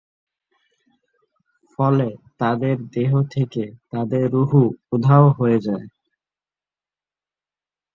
ফলে তাদের দেহ থেকে তাদের রূহ উধাও হয়ে যায়।